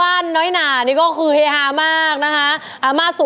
ให้ล้างใจให้ล้างได้